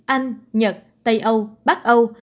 anh nhật tây âu bắc âu